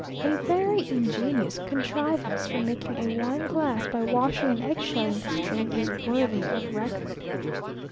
A very ingenious contrivance for making a wine glass, by washing an egg shell in the stream, is worthy of record.